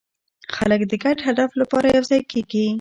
خلک د ګډ هدف لپاره یوځای کېږي.